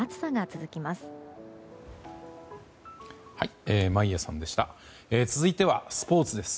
続いてはスポーツです。